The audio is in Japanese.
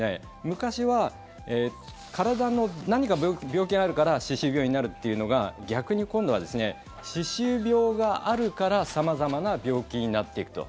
昔は体に何か病気があるから歯周病になるというのが逆に今度は歯周病があるから様々な病気になっていくと。